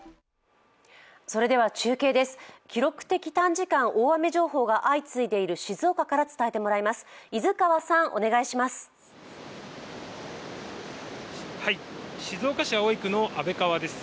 それでは中継です、記録的短時間大雨が相次いでいる静岡から伝えてもらいます。